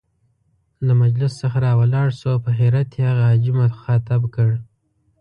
له مجلس څخه را ولاړ شو او په حيرت يې هغه حاجي مخاطب کړ.